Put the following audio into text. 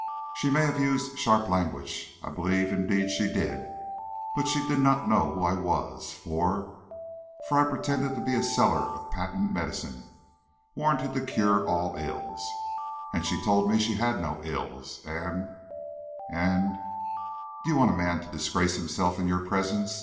"She may have used sharp language; I believe indeed she did; but she did not know who I was, for for I pretended to be a seller of patent medicine, warranted to cure all ills, and she told me she had no ills, and and Do you want a man to disgrace himself in your presence?"